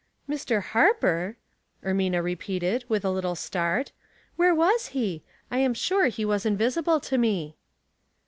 " Mr. Harper I " Ermina repeated, with a little start. " Where was he ? I am sure he was invisible to me."